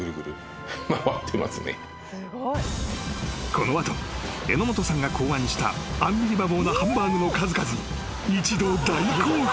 ［この後榎本さんが考案したアンビリバボーなハンバーグの数々に一同大興奮］